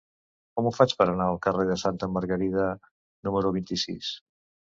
Com ho faig per anar al carrer de Santa Margarida número vint-i-sis?